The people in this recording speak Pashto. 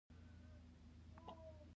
بېرته پر اخور کيناست.